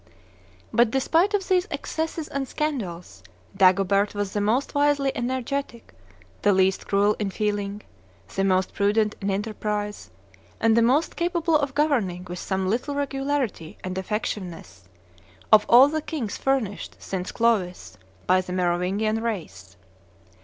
But, despite of these excesses and scandals, Dagobert was the most wisely energetic, the least cruel in feeling, the most prudent in enterprise, and the most capable of governing with some little regularity and effectiveness, of all the kings furnished, since Clovis, by the Merovingian race.